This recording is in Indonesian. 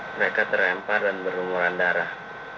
mereka terrempar dan berumuran darah